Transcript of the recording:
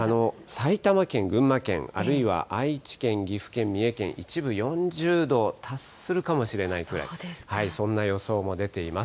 埼玉県、群馬県、あるいは愛知県、岐阜県、三重県、一部、４０度達するかもしれないぐらい、そんな予想も出ています。